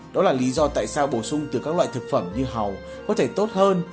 đó là lý do tại sao bổ sung từ các loại thực phẩm như hầu có thể tốt hơn